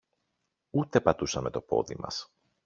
Ούτε πατούσαμε το πόδι μας